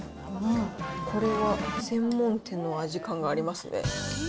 これは専門店の味感がありますね。